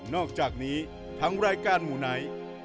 อกจากนี้ทั้งรายการหมู่ไหน